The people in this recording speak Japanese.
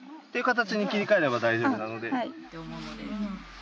形に切り替えれば大丈夫なので。